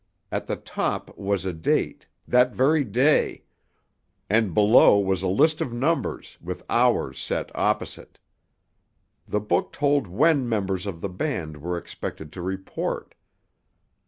At the top was a date—that very day—and below was a list of numbers, with hours set opposite. The book told when members of the band were expected to report.